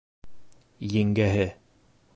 Еңгәһе: